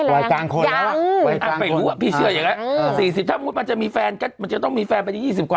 ไว้กลางคนแล้วยังไปรู้พี่เชื่ออย่างนั้น๔๐ถ้ามันจะมีแฟนมันจะต้องมีแฟนไปที่๒๐กว่า๓๐